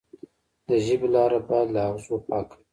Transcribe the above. د ژبې لاره باید له اغزو پاکه وي.